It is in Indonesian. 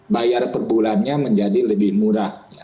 bayar per bulannya menjadi lebih murah